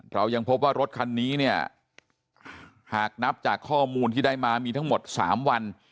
เรายังพบว่ารถคันนี้เนี่ยหากนับจากข้อมูลที่ได้มามีทั้งหมด๓วัน